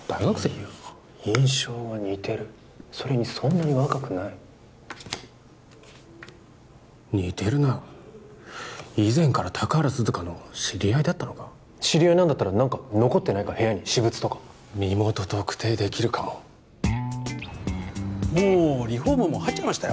いや印象が似てるそれにそんなに若くない似てるな以前から高原涼香の知り合いだったのか知り合いなんだったら何か残ってないか部屋に私物とか身元特定できるかももうリフォームも入っちゃいましたよ